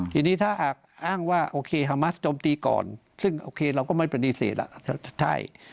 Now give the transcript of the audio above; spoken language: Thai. ทีนี้ถ้าหากอ้างว่าโอเคฮามัสโจมตีก่อนซึ่งโอเคเราก็ไม่ปฏิเสธใช่